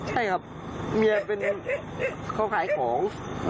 ใช่ครับเมียเป็นเขาขายของ